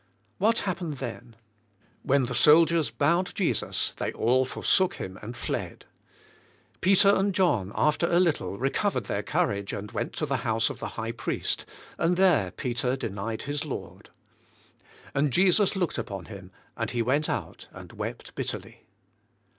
What happened then? When the soldiers bound Jesus they all for sook Him and fled. Peter and John, after a little, recovered their courage and went to the house of the High Priest, and there Peter denied his Lord. And Jesus looked upon him and he went out and wept bitterly.